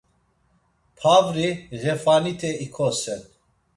Pavri ğefanite ikosen.